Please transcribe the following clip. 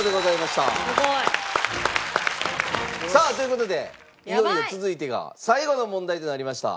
すごい！さあという事でいよいよ続いてが最後の問題となりました。